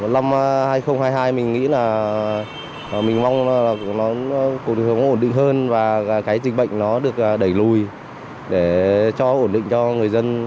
năm hai nghìn hai mươi hai mình nghĩ là mình mong là nó cùng hướng ổn định hơn và cái dịch bệnh nó được đẩy lùi để cho ổn định cho người dân